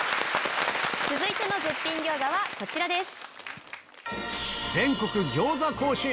続いての絶品餃子はこちらです。